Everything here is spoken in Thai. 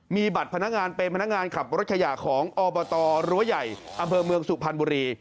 มีบัตรพนักงานเป็นพนักงานขับรถขยะของอบตรั้วใหญ่อำเภอเมืองสุพรรณบุรี